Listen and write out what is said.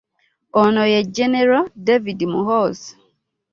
Ono ye jjenero David Muhoozi